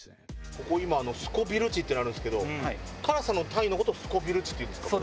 ここ今スコヴィル値っていうのあるんですけど辛さの単位の事をスコヴィル値っていうんですか？